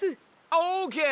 オーケー！